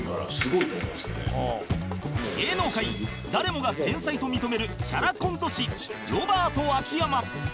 芸能界誰もが天才と認めるキャラコント師ロバート秋山